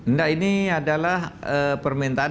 nah ini adalah permintaan